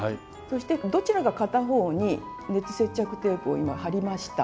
そしてどちらか片方に熱接着テープを今貼りました。